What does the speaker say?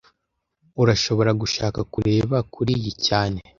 Urashobora gushaka kureba kuriyi cyane